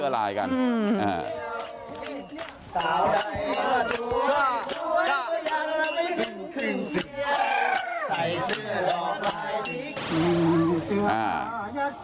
พี่หนุ่มกัญชัยกับคุณพทธดำน้องรถเมว